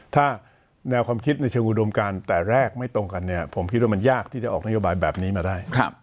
ถ้าแนวความคิดในเชิงอุดมการแต่แรกไม่ตรงกันเนี่ยผมคิดว่ามันยากที่จะออกนโยบายแบบนี้มาได้